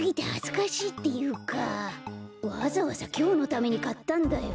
わざわざきょうのためにかったんだよ。